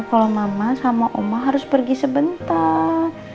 kalau mama sama omah harus pergi sebentar